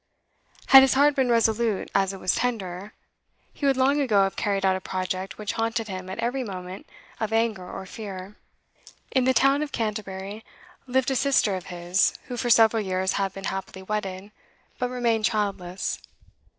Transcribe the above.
Had his heart been resolute as it was tender, he would long ago have carried out a project which haunted him at every moment of anger or fear. In the town of Canterbury lived a sister of his who for several years had been happily wedded, but remained childless.